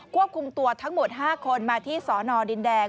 ควบคุมตัวทั้งหมด๕คนมาที่สนดินแดง